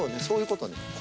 そういうことね。